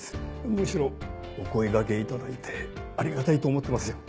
むしろお声掛けいただいてありがたいと思ってますよ。